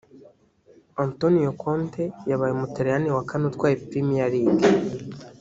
Antonio Conte wabaye umutaliyani wa kane utwaye Premier League